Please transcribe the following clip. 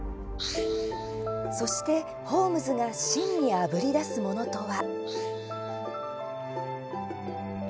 そして、ホームズが真にあぶり出すものとは。